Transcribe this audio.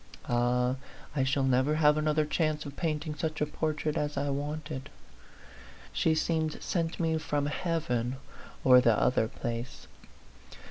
Ah, I shall never have another chance of painting such a portrait as I wanted. She seemed sent me from heaven or the other place.